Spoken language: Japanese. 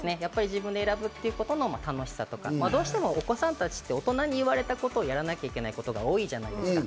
自分で選ぶことの楽しさというか、お子さんたちって大人に言われたことをやらなきゃいけないことが多いじゃないですか。